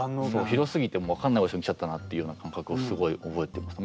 広すぎて分かんない場所に来ちゃったなっていうような感覚をすごい覚えてます。